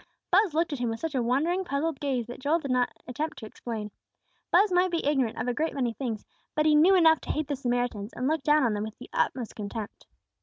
Buz looked at him with such a wondering, puzzled gaze that Joel did not attempt to explain. Buz might be ignorant of a great many things, but he knew enough to hate the Samaritans, and look down on them with the utmost contempt.